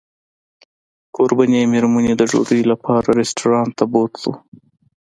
کوربنې مېرمنې د ډوډۍ لپاره رسټورانټ ته بوتلو.